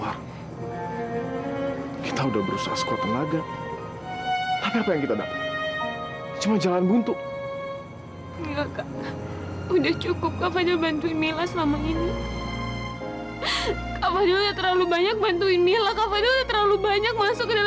aku sama sekali gak punya maksud untuk ngerebutkan pandian dari kamu tolong maafin aku